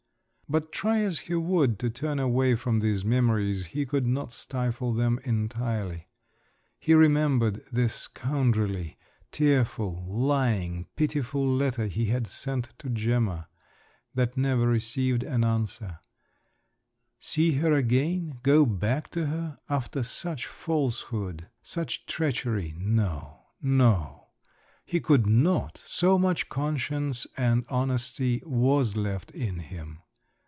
But try as he would to turn away from these memories, he could not stifle them entirely. He remembered the scoundrelly, tearful, lying, pitiful letter he had sent to Gemma, that never received an answer…. See her again, go back to her, after such falsehood, such treachery, no! no! he could not, so much conscience and honesty was left in him.